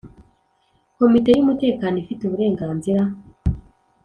Komite y ‘umutekano ifite uburenganzira.